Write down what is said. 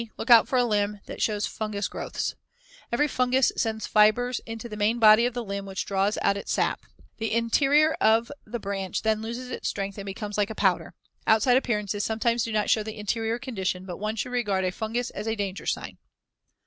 Look out for a limb that shows fungous growths. Every fungus sends fibers into the main body of the limb which draw out its sap. The interior of the branch then loses its strength and becomes like a powder. Outside appearances sometimes do not show the interior condition, but one should regard a fungus as a danger sign.